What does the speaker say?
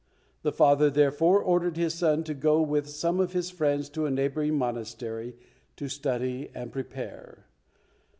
The father, therefore, ordered his son to go with some of his friends to a neighbouring monastery to study and prepare.